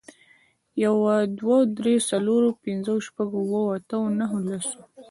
يوه، دوو، درو، څلورو، پنځو، شپږو، اوو، اتو، نهو، لسو